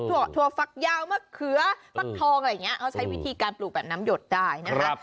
ถั่วฟักยาวมะเขือฟักทองอะไรอย่างนี้เขาใช้วิธีการปลูกแบบน้ำหยดได้นะคะ